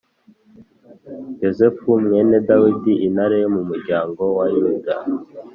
yosefu mwene dawidi intare yo mu muryango wa yuda